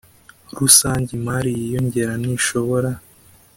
rusange imari y inyongera ntishobora